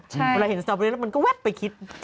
เวลาเห็นสตอเบอรี่แล้วมันก็แป๊บไปคิด